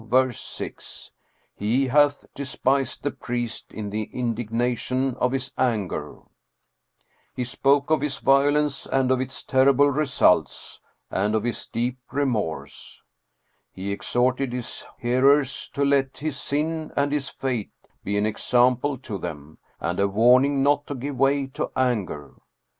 verse 6: "He hath despised the priest in the indignation of his anger." He spoke of his violence and of its terrible results, and of 299 Scandinavian Mystery Stories his deep remorse. He exhorted his hearers to let his sin and his fate be an example to them, and a warning not to give way to anger.